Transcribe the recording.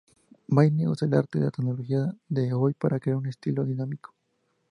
Mayne "usa el arte y la tecnología de hoy para crear un estilo dinámico".